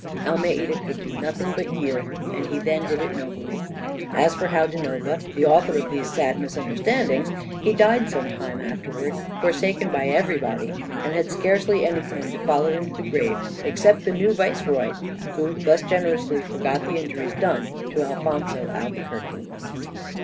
Almeida could do nothing but yield, and he then did it nobly. As for Joao da Nova, the author of these sad misunderstandings, he died some time afterwards, forsaken by everybody, and had scarcely any one to follow him to the grave except the new viceroy, who thus generously forgot the injuries done to Alfonzo Albuquerque.